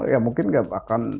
ya mungkin nggak akan berhasil